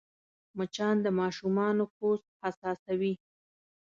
مچان د ماشومانو پوست حساسوې